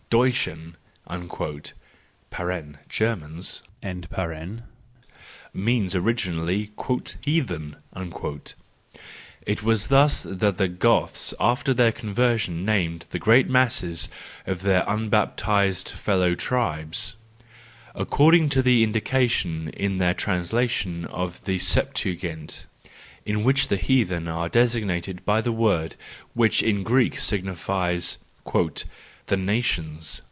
Deutsclien " (Germans) means originally " heathen ": it is thus that the Goths after their conversion named the great mass of their unbaptized fellow tribes, according to the indication in their translation of the Septuagint, in which the heathen are designated by the word which in Greek signifies " the nations."